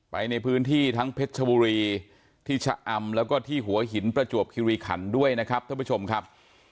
ไปในพื้นที่ทั้งเพชรชบุรีที่ชะอำแล้วก็ที่หัวหินประจวบคิริขันด้วยนะครับท่านผู้ชมครับ